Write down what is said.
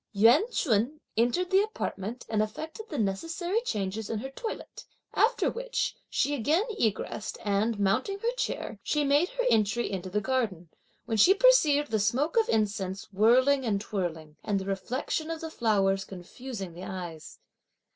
Yuan Ch'un entered the apartment and effected the necessary changes in her toilette; after which, she again egressed, and, mounting her chair, she made her entry into the garden, when she perceived the smoke of incense whirling and twirling, and the reflection of the flowers confusing the eyes.